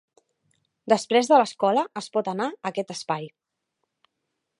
Després de l'escola es pot anar a aquest espai.